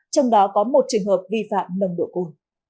trong đó có một trường hợp vi phạm lầm đổ cù